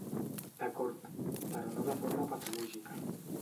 D'acord, però no de forma patològica.